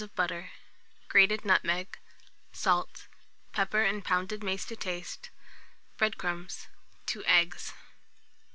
of butter, grated nutmeg; salt, pepper, and pounded mace, to taste; bread crumbs, 2 eggs.